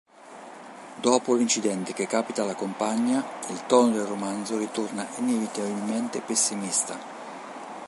Dopo l'incidente che capita alla compagna, il tono del romanzo ritorna inevitabilmente pessimista.